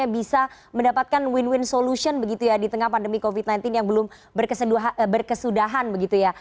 bisa mendapatkan win win solution begitu ya di tengah pandemi covid sembilan belas yang belum berkesudahan begitu ya